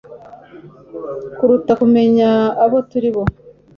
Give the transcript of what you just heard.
kuruta kumenya abo turi bo